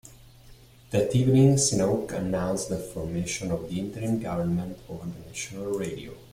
That evening, Sihanouk announced the formation of the interim government over national radio.